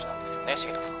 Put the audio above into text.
重田さん」